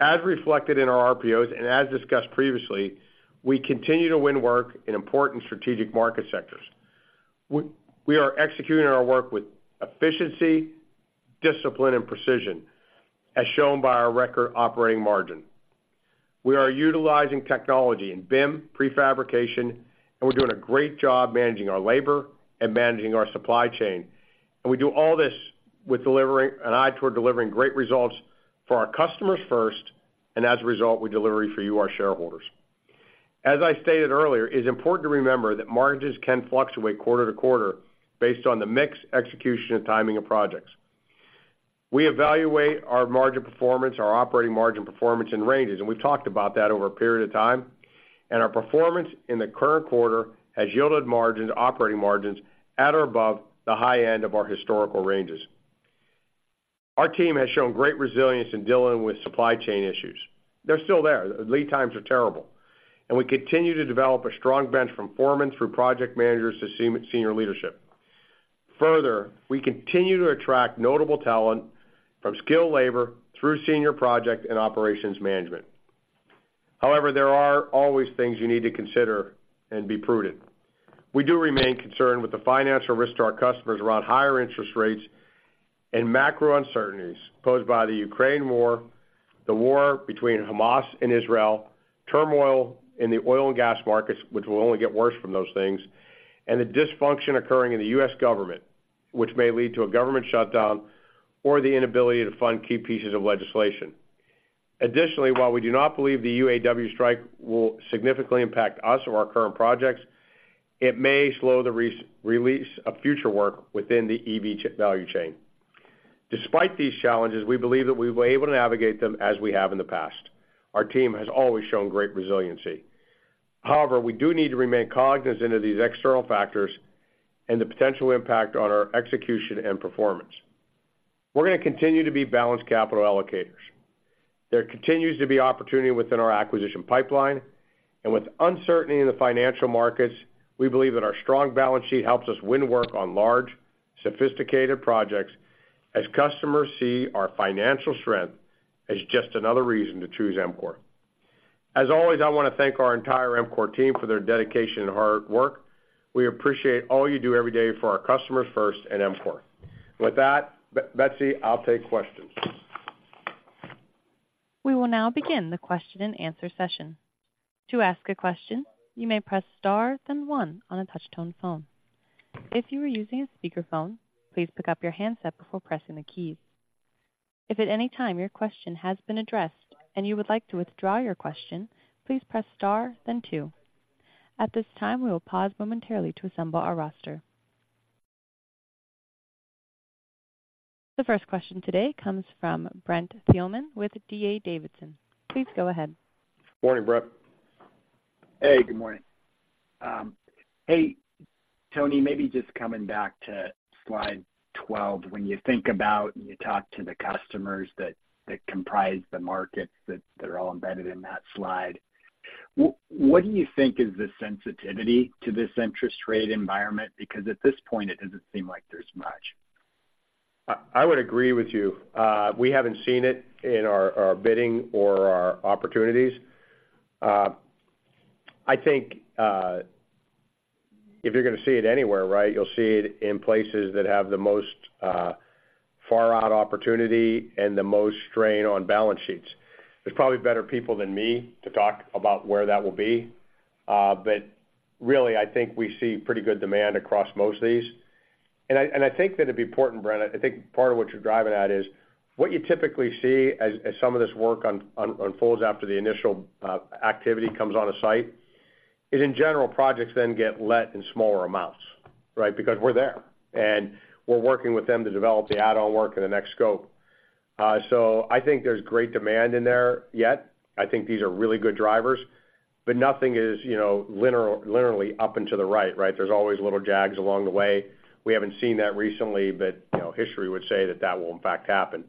D: As reflected in our RPOs and as discussed previously, we continue to win work in important strategic market sectors. We are executing our work with efficiency, discipline, and precision, as shown by our record operating margin. We are utilizing technology in BIM, prefabrication, and we're doing a great job managing our labor and managing our supply chain. We do all this with an eye toward delivering great results for our customers first, and as a result, we deliver for you, our shareholders. As I stated earlier, it's important to remember that margins can fluctuate quarter to quarter based on the mix, execution, and timing of projects. We evaluate our margin performance, our operating margin performance in ranges, and we've talked about that over a period of time, and our performance in the current quarter has yielded margins, operating margins, at or above the high end of our historical ranges. Our team has shown great resilience in dealing with supply chain issues. They're still there. Lead times are terrible, and we continue to develop a strong bench from foremen through project managers to senior leadership. Further, we continue to attract notable talent from skilled labor through senior project and operations management. However, there are always things you need to consider and be prudent. We do remain concerned with the financial risk to our customers around higher interest rates and macro uncertainties posed by the Ukraine war, the war between Hamas and Israel, turmoil in the oil and gas markets, which will only get worse from those things, and the dysfunction occurring in the US government, which may lead to a government shutdown or the inability to fund key pieces of legislation. Additionally, while we do not believe the UAW strike will significantly impact us or our current projects, it may slow the release of future work within the EV value chain. Despite these challenges, we believe that we will be able to navigate them as we have in the past. Our team has always shown great resiliency. However, we do need to remain cognizant of these external factors and the potential impact on our execution and performance. We're gonna continue to be balanced capital allocators. There continues to be opportunity within our acquisition pipeline, and with uncertainty in the financial markets, we believe that our strong balance sheet helps us win work on large, sophisticated projects as customers see our financial strength as just another reason to choose EMCOR. As always, I want to thank our entire EMCOR team for their dedication and hard work. We appreciate all you do every day for our customers first at EMCOR. With that, Blake, I'll take questions.
A: We will now begin the question-and-answer session. To ask a question, you may press star then one on a touch-tone phone. If you are using a speakerphone, please pick up your handset before pressing the keys. If at any time your question has been addressed and you would like to withdraw your question, please press star then two. At this time, we will pause momentarily to assemble our roster. The first question today comes from Brent Thielman with D.A. Davidson. Please go ahead.
D: Morning, Brent.
F: Hey, good morning. Hey, Tony, maybe just coming back to slide 12. When you think about and you talk to the customers that comprise the markets that are all embedded in that slide. What do you think is the sensitivity to this interest rate environment? Because at this point, it doesn't seem like there's much.
D: I would agree with you. We haven't seen it in our bidding or our opportunities. I think, if you're gonna see it anywhere, right, you'll see it in places that have the most, far-out opportunity and the most strain on balance sheets. There's probably better people than me to talk about where that will be. But really, I think we see pretty good demand across most of these. And I think that it'd be important, Brent. I think part of what you're driving at is, what you typically see as some of this work on unfolds after the initial activity comes on a site, is in general, projects then get let in smaller amounts, right? Because we're there, and we're working with them to develop the add-on work and the next scope. So, I think there's great demand in there, yet I think these are really good drivers, but nothing is, you know, linear, literally up and to the right, right? There's always little jags along the way. We haven't seen that recently, but, you know, history would say that that will in fact happen.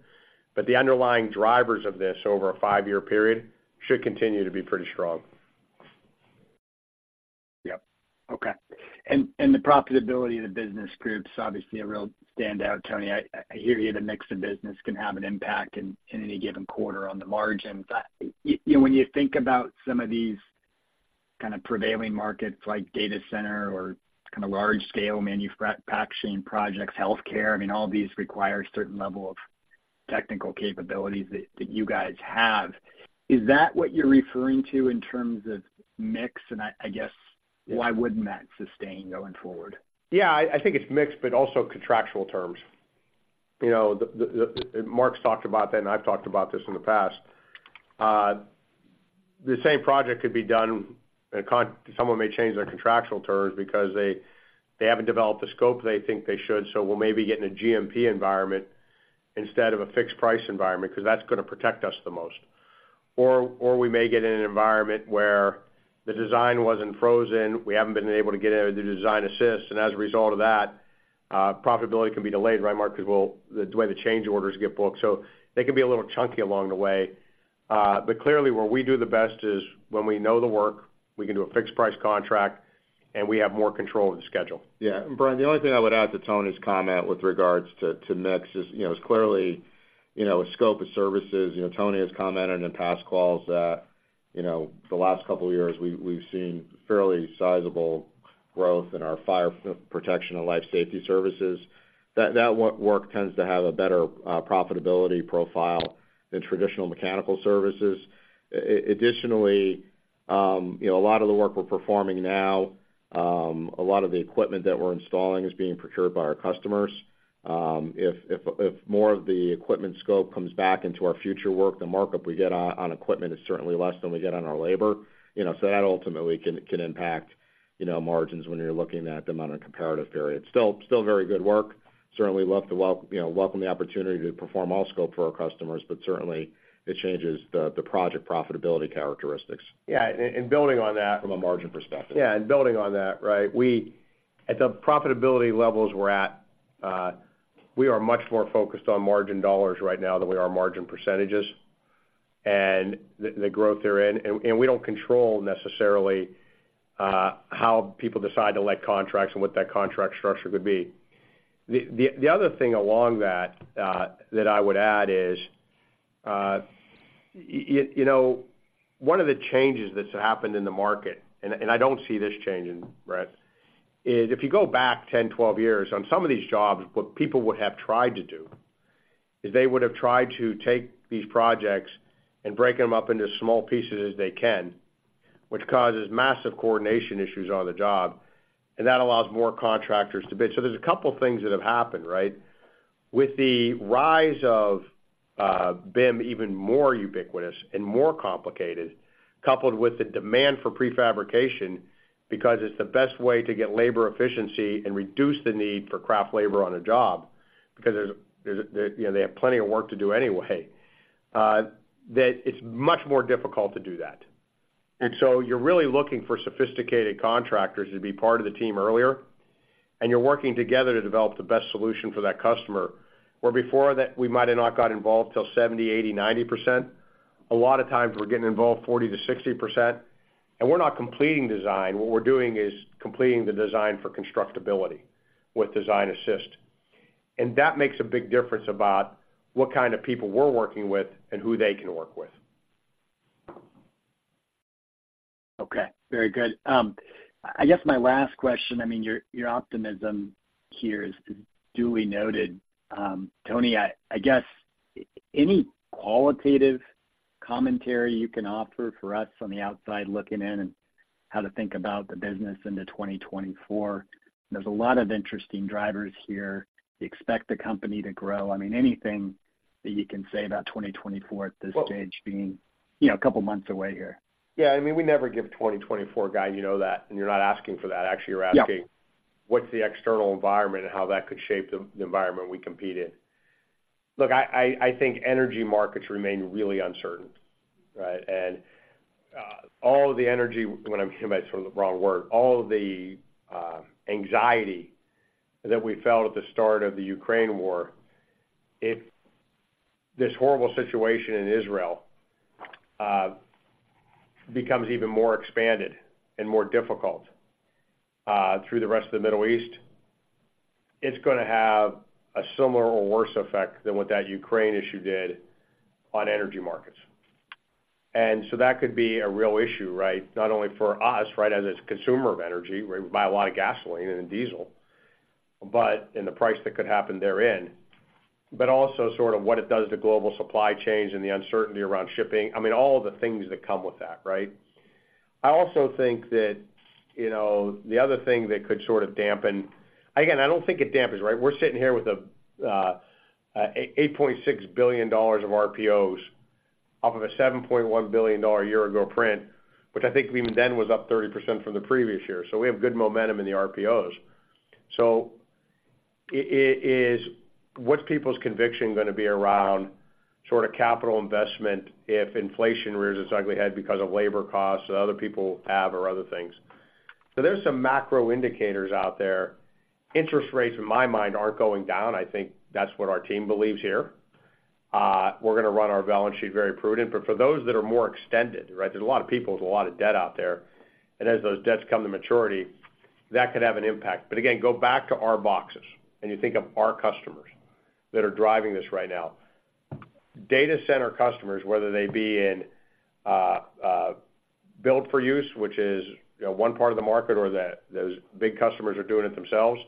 D: But the underlying drivers of this over a five-year period should continue to be pretty strong.
F: Okay. And the profitability of the business groups, obviously, a real standout, Tony. I hear you, the mix of business can have an impact in any given quarter on the margins. You know, when you think about some of these kind of prevailing markets, like data center or kinda large-scale manufacturing projects, healthcare, I mean, all these require a certain level of technical capabilities that you guys have. Is that what you're referring to in terms of mix? And I guess.
D: Yes
F: Why wouldn't that sustain going forward?
D: Yeah, I think it's mix, but also contractual terms. You know, the Mark's talked about that, and I've talked about this in the past. The same project could be done, and someone may change their contractual terms because they haven't developed the scope they think they should, so we'll maybe get in a GMP environment instead of a fixed price environment, because that's gonna protect us the most. Or, we may get in an environment where the design wasn't frozen, we haven't been able to get in the design assist, and as a result of that, profitability can be delayed, right, Mark? Because, well, the way the change orders get booked. So they can be a little chunky along the way. But clearly, where we do the best is when we know the work, we can do a fixed price contract, and we have more control of the schedule.
E: Yeah, and Brent, the only thing I would add to Tony's comment with regards to mix is, you know, clearly a scope of services. You know, Tony has commented in past calls that, you know, the last couple of years, we've seen fairly sizable growth in our fire protection and life safety services. That work tends to have a better profitability profile than traditional mechanical services. Additionally, you know, a lot of the work we're performing now, a lot of the equipment that we're installing is being procured by our customers. If more of the equipment scope comes back into our future work, the markup we get on equipment is certainly less than we get on our labor. You know, so that ultimately can impact, you know, margins when you're looking at them on a comparative period. Still very good work. Certainly love to, you know, welcome the opportunity to perform all scope for our customers, but certainly, it changes the project profitability characteristics.
D: Yeah, and building on that.
E: From a margin perspective.
D: Yeah, and building on that, right? At the profitability levels we're at, we are much more focused on margin dollars right now than we are margin percentages and the, the growth they're in. And we don't control necessarily how people decide to let contracts and what that contract structure could be. The other thing along that that I would add is, you know, one of the changes that's happened in the market, and I don't see this changing, Brent, is if you go back 10, 12 years on some of these jobs, what people would have tried to do is they would have tried to take these projects and break them up into small pieces as they can, which causes massive coordination issues on the job, and that allows more contractors to bid. So there's a couple things that have happened, right? With the rise of BIM, even more ubiquitous and more complicated, coupled with the demand for prefabrication, because it's the best way to get labor efficiency and reduce the need for craft labor on a job, because there's, you know, they have plenty of work to do anyway, that it's much more difficult to do that. And so you're really looking for sophisticated contractors to be part of the team earlier, and you're working together to develop the best solution for that customer. Where before that, we might have not got involved till 70%, 80%, 90%. A lot of times, we're getting involved 40%-60%, and we're not completing design. What we're doing is completing the design for constructability with Design Assist. That makes a big difference about what kind of people we're working with and who they can work with.
F: Okay, very good. I guess my last question, I mean, your optimism here is duly noted. Tony, I guess, any qualitative commentary you can offer for us on the outside looking in, and how to think about the business into 2024? There's a lot of interesting drivers here. You expect the company to grow. I mean, anything that you can say about 2024 at this stage, being, you know, a couple of months away here.
D: Yeah, I mean, we never give 2024 guide, you know that, and you're not asking for that. Actually, you're asking.
F: Yep
D: What's the external environment and how that could shape the environment we compete in. Look, I think energy markets remain really uncertain, right? And all of the anxiety that we felt at the start of the Ukraine war, this horrible situation in Israel becomes even more expanded and more difficult through the rest of the Middle East, it's gonna have a similar or worse effect than what that Ukraine issue did on energy markets. And so that could be a real issue, right? Not only for us, right, as a consumer of energy, where we buy a lot of gasoline and diesel, but the price that could happen therein, but also sort of what it does to global supply chains and the uncertainty around shipping. I mean, all of the things that come with that, right? I also think that, you know, the other thing that could sort of dampen, again, I don't think it dampens, right? We're sitting here with a $8.6 billion of RPOs off of a $7.1 billion year ago print, which I think even then was up 30% from the previous year. So we have good momentum in the RPOs. So is, what's people's conviction gonna be around sort of capital investment if inflation rears its ugly head because of labor costs that other people have or other things? So there's some macro indicators out there. Interest rates, in my mind, aren't going down. I think that's what our team believes here. We're gonna run our balance sheet very prudent. But for those that are more extended, right, there's a lot of people with a lot of debt out there, and as those debts come to maturity, that could have an impact. But again, go back to our boxes, and you think of our customers that are driving this right now. Data center customers, whether they be in build for use, which is, you know, one part of the market or that those big customers are doing it themselves,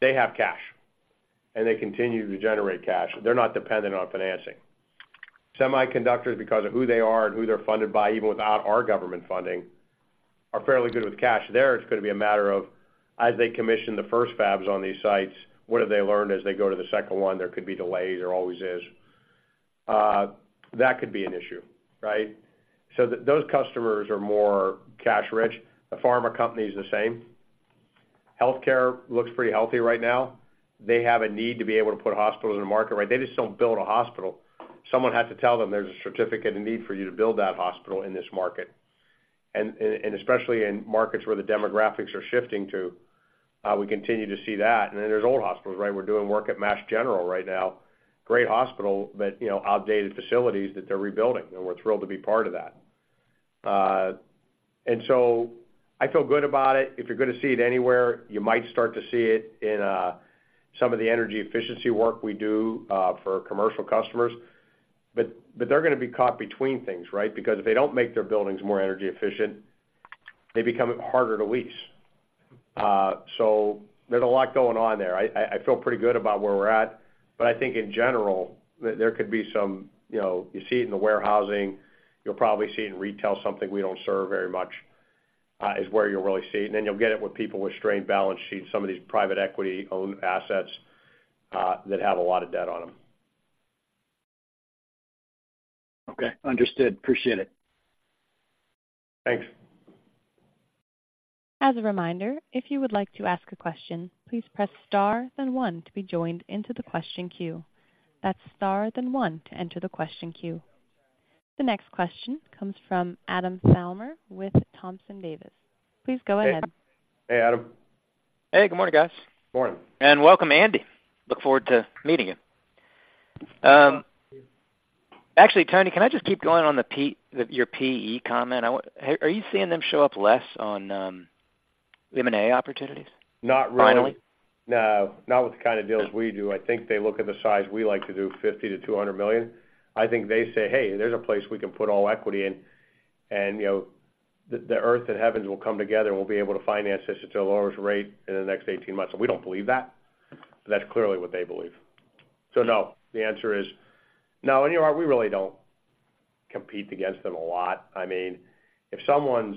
D: they have cash, and they continue to generate cash. They're not dependent on financing. Semiconductors, because of who they are and who they're funded by, even without our government funding, are fairly good with cash. There, it's gonna be a matter of as they commission the first fabs on these sites, what do they learn as they go to the second one? There could be delays. There always is. That could be an issue, right? So those customers are more cash-rich. The pharma company is the same. Healthcare looks pretty healthy right now. They have a need to be able to put hospitals in the market, right? They just don't build a hospital. Someone has to tell them there's a certificate and need for you to build that hospital in this market. And especially in markets where the demographics are shifting to, we continue to see that. And then there's old hospitals, right? We're doing work at Mass General right now. Great hospital, but, you know, outdated facilities that they're rebuilding, and we're thrilled to be part of that. And so I feel good about it. If you're gonna see it anywhere, you might start to see it in, some of the energy efficiency work we do, for commercial customers. But they're gonna be caught between things, right? Because if they don't make their buildings more energy efficient, they become harder to lease. So there's a lot going on there. I feel pretty good about where we're at, but I think in general, there could be some... You know, you see it in the warehousing. You'll probably see it in retail, something we don't serve very much, is where you'll really see it. And then you'll get it with people with strained balance sheets, some of these private equity-owned assets, that have a lot of debt on them.
F: Okay, understood. Appreciate it.
D: Thanks.
A: As a reminder, if you would like to ask a question, please press star, then one to be joined into the question queue. That's star, then one to enter the question queue. The next question comes from Adam Thalhimer with Thompson Davis. Please go ahead.
D: Hey, Adam.
G: Hey, good morning, guys.
D: Good morning.
G: Welcome, Andy. Look forward to meeting you. Actually, Tony, can I just keep going on the P, your PE comment? I want, are you seeing them show up less on M&A opportunities?
D: Not really.
G: Finally?
D: No, not with the kind of deals we do.
G: No.
D: I think they look at the size, we like to do $50 million-$200 million. I think they say, hey, there's a place we can put all equity in, and, you know, the earth and heavens will come together, and we'll be able to finance this at the lowest rate in the next 18 months. And we don't believe that, but that's clearly what they believe. So no, the answer is no. And, you know, we really don't compete against them a lot. I mean, if someone's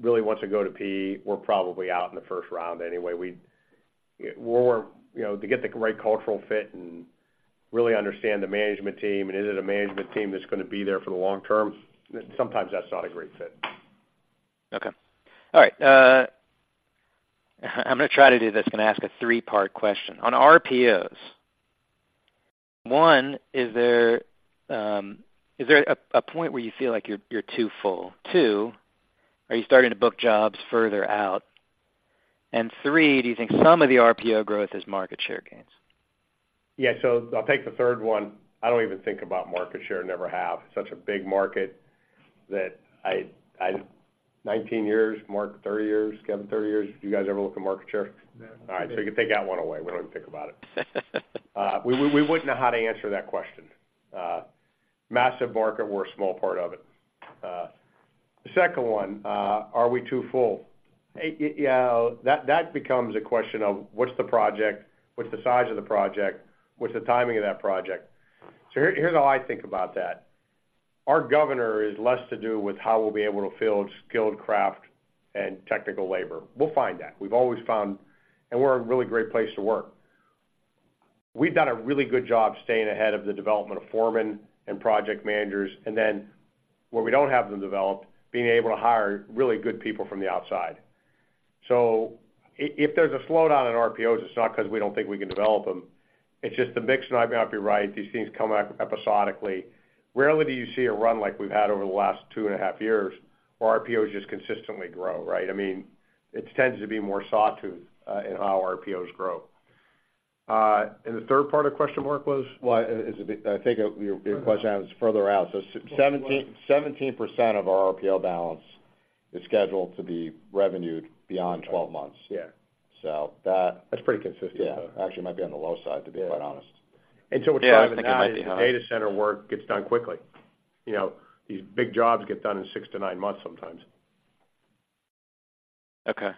D: really wants to go to PE, we're probably out in the first round anyway. We're, you know, to get the right cultural fit and really understand the management team, and is it a management team that's gonna be there for the long term? Sometimes that's not a great fit.
G: Okay. All right, I'm gonna try to do this. I'm gonna ask a three-part question. On RPOs, one, is there a point where you feel like you're too full? Two, are you starting to book jobs further out? And three, do you think some of the RPO growth is market share gains?
D: Yeah, so I'll take the third one. I don't even think about market share, never have. Such a big market that I, 19 years, Mark, 30 years, Kevin, 30 years. Do you guys ever look at market share?
E: No.
D: All right, so you can take that one away. We don't even think about it. We wouldn't know how to answer that question. Massive market, we're a small part of it. The second one, are we too full? Yeah, that becomes a question of what's the project, what's the size of the project, what's the timing of that project? So here, here's how I think about that. Our governor is less to do with how we'll be able to fill skilled craft and technical labor. We'll find that. We've always found, and we're a really great place to work. We've done a really good job staying ahead of the development of foremen and project managers, and then when we don't have them developed, being able to hire really good people from the outside. So if there's a slowdown in RPOs, it's not because we don't think we can develop them, it's just the mix might not be right. These things come back episodically. Rarely do you see a run like we've had over the last two and a half years, where RPOs just consistently grow, right? I mean, it tends to be more sawtooth in how our RPOs grow. And the third part of the question, Mark, was?
E: Well, is it, I think your question was further out. So 17% of our RPO balance is scheduled to be revenued beyond 12 months.
D: Yeah.
E: So that, that's pretty consistent. Yeah, actually might be on the low side, to be quite honest.
D: What's driving it now is data center work gets done quickly. You know, these big jobs get done in 6-9 months sometimes.
G: Okay.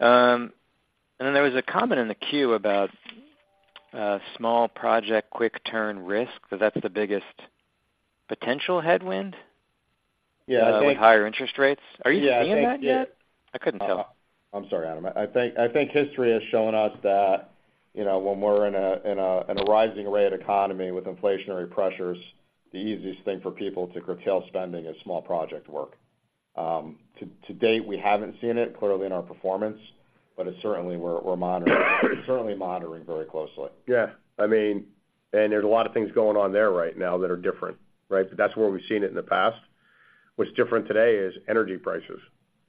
G: And then there was a comment in the queue about small project quick turn risk, that that's the biggest potential headwind?
D: Yeah, I think.
G: With higher interest rates. Are you seeing that yet? I couldn't tell.
E: I'm sorry, Adam. I think history has shown us that, you know, when we're in a rising rate economy with inflationary pressures, the easiest thing for people to curtail spending is small project work. To date, we haven't seen it clearly in our performance, but we're certainly monitoring very closely.
D: Yeah. I mean, and there's a lot of things going on there right now that are different, right? But that's where we've seen it in the past. What's different today is energy prices,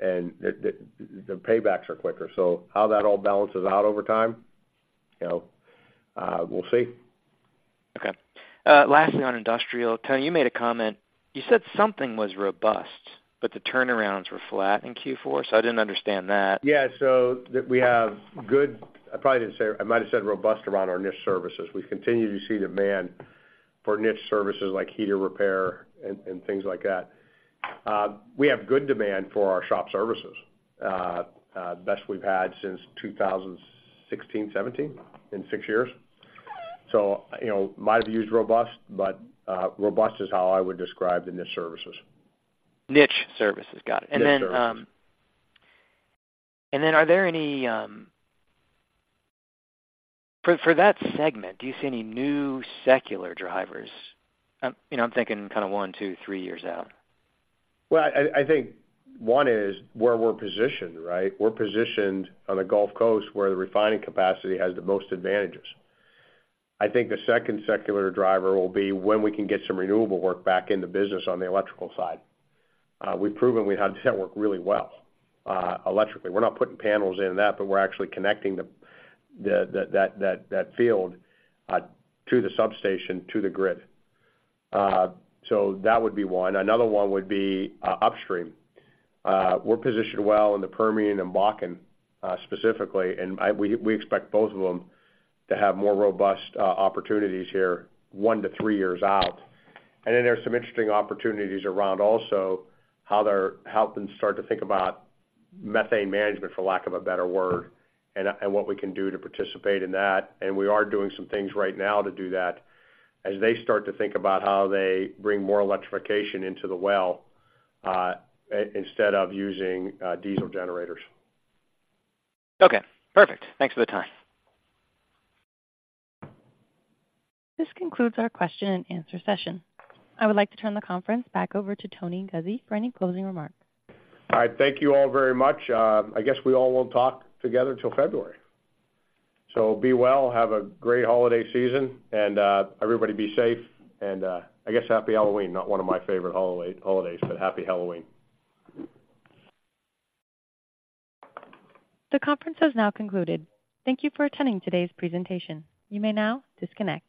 D: and the paybacks are quicker. So how that all balances out over time, you know, we'll see.
G: Okay. Lastly, on industrial, Tony, you made a comment. You said something was robust, but the turnarounds were flat in Q4, so I didn't understand that.
D: Yeah, so we have good. I probably didn't say. I might have said robust around our niche services. We continue to see demand for niche services like heater repair and things like that. We have good demand for our shop services, best we've had since 2016, 2017, in six years. So, you know, might have used robust, but robust is how I would describe the niche services.
G: Niche services, got it.
D: Niche services.
G: And then, are there any, for that segment, do you see any new secular drivers? You know, I'm thinking kind of one, two, three years out.
D: Well, I think one is where we're positioned, right? We're positioned on the Gulf Coast, where the refining capacity has the most advantages. I think the second secular driver will be when we can get some renewable work back in the business on the electrical side. We've proven we have that work really well, electrically. We're not putting panels in and that, but we're actually connecting the field to the substation, to the grid. So that would be one. Another one would be upstream. We're positioned well in the Permian and Bakken, specifically, and we expect both of them to have more robust opportunities here, one to three years out. And then there are some interesting opportunities around also, how they're starting to think about methane management, for lack of a better word, and what we can do to participate in that. And we are doing some things right now to do that as they start to think about how they bring more electrification into the well, instead of using diesel generators.
G: Okay, perfect. Thanks for the time.
A: This concludes our question and answer session. I would like to turn the conference back over to Tony Guzzi for any closing remarks.
D: All right. Thank you all very much. I guess we all won't talk together till February. So be well, have a great holiday season, and everybody be safe, and I guess Happy Halloween. Not one of my favorite holiday, but Happy Halloween.
A: The conference has now concluded. Thank you for attending today's presentation. You may now disconnect.